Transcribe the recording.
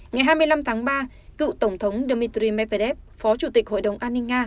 ngày hai mươi năm tháng ba cựu tổng thống dmitry medvedev phó chủ tịch hội đồng an ninh nga